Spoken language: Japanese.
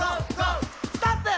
「ストップ！」